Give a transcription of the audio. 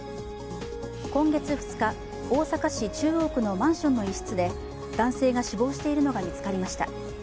今月２日、大阪市中央区のマンションの一室で男性が死亡しているのが見つかりました。